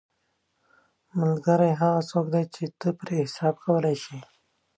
ملګری هغه څوک دی چې ته پرې حساب کولی شې